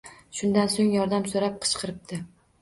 Shundan so‘ng yordam so‘rab qichqiribdi